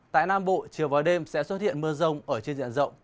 tại nam bộ chiều vào đêm sẽ xuất hiện mưa rông trên dần rộng